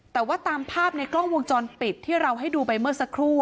แต่ว่าตามภาพในกล้องวงจรปิดที่เราให้ดูไปเมื่อสักครู่